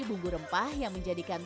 bumbu rempah yang menjadikan